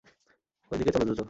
ঐ দিকে চলো, দ্রুত।